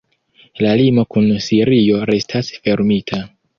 La limo kun Sirio restas fermita.